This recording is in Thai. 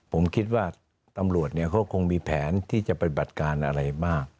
ผมคิดว่าตำรวจเนี่ยเขาคงมีแผนที่จะไปบัดการอะไรบ้าง